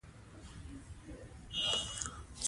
ډيپلومات د هېواد د نوم استازیتوب کوي.